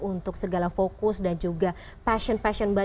untuk segala fokus dan juga passion passion baru